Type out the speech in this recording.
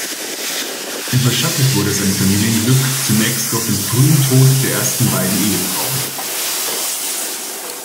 Überschattet wurde sein Familienglück zunächst durch den frühen Tod der ersten beiden Ehefrauen.